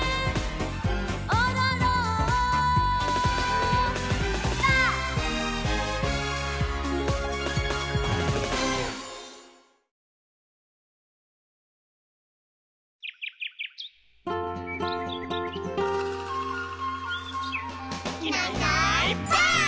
「おどろんぱ！」「いないいないばあっ！」